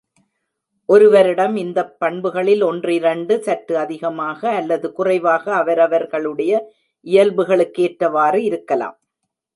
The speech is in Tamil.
ஒருவரிடம் இந்தப் பண்புகளில் ஒன்றிரண்டு சற்று அதிகமாக அல்லது குறைவாக அவரவர்களுடைய இயல்புகளுக்கு ஏற்றவாறு இருக்கலாம்.